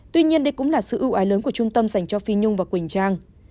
tuy nhiên đây cũng là sự ưu ái lớn của trung tâm dành cho phi nhung và quỳnh trang